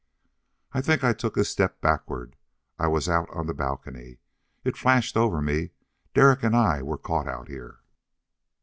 I think I took a step backward. I was out on the balcony. It flashed over me Derek and I were caught out here!